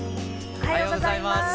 おはようございます。